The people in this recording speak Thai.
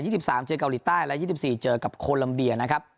ยี่สิบสามเจอกับออริตไต้และยี่สิบสี่เจอกับโคลัมเบียนะครับ